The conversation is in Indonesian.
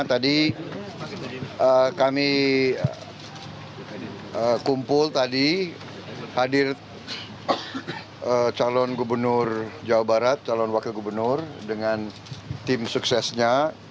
tadi kami kumpul tadi hadir calon gubernur jawa barat calon wakil gubernur dengan tim suksesnya